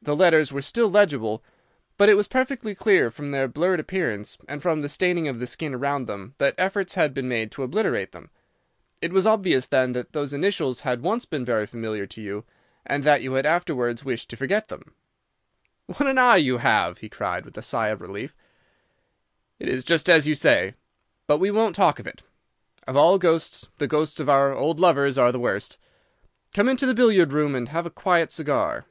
The letters were still legible, but it was perfectly clear from their blurred appearance, and from the staining of the skin round them, that efforts had been made to obliterate them. It was obvious, then, that those initials had once been very familiar to you, and that you had afterwards wished to forget them.' "What an eye you have!" he cried, with a sigh of relief. 'It is just as you say. But we won't talk of it. Of all ghosts the ghosts of our old lovers are the worst. Come into the billiard room and have a quiet cigar.